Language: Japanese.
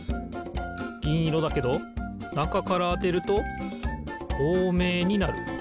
ぎんいろだけどなかからあてるととうめいになる。